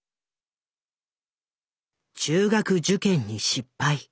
中学受験に失敗。